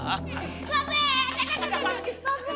babe ada ada babe